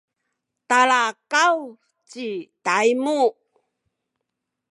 talakaw ci Taymu